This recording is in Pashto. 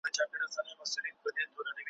زمری خپلي بې عقلۍ لره حیران سو ,